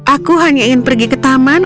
aku hanya ingin pergi ke taman